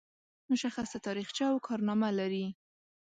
مشخصه تاریخچه او کارنامه لري.